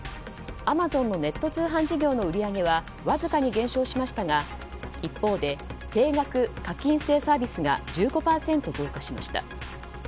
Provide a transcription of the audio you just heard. アマゾンのネット通販事業の売り上げはわずかに減少しましたが一方で定額課金制サービスが１５％増加しました。